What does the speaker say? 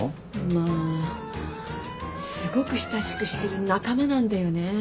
まあすごく親しくしてる仲間なんだよね。